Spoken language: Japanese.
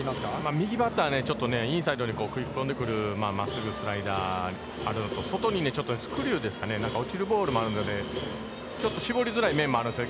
右バッターね、ちょっとインサイドに食い込んでくる真っすぐスライダー、あるのと、外にちょっとスクリューですかね、なんかボールもあるので、ちょっと絞りづらい面もあるんですね。